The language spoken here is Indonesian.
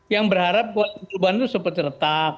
yang berharap perubahan itu seperti retak